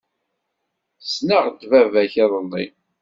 Ssneɣ-d baba-k iḍelli.